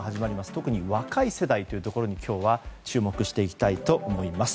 特に若い世代に今日は注目していきたいと思います。